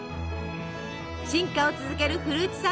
進化を続けるフルーツサンド。